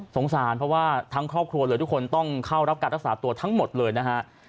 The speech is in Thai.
สงสารเพราะว่าทั้งครอบครัวเลยทุกคนต้องเข้ารับการรักษาตัวทั้งหมดเลยนะฮะ